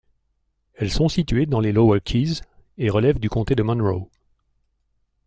Elles sont situées dans les Lower Keys et relèvent du comté de Monroe.